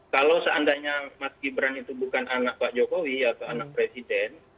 kalau seandainya mas gibran itu bukan anak pak jokowi atau anak presiden